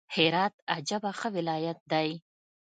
هرات عجبه ښه ولايت دئ!